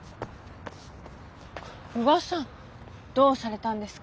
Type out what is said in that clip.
久我さんどうされたんですか？